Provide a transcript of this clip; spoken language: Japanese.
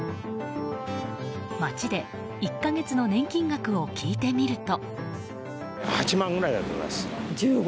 街で１か月の年金額を聞いてみると。